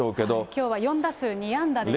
きょうは４打数２安打でした。